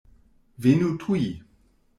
Venu tuj.